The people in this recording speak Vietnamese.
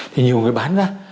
thì nhiều người bán ra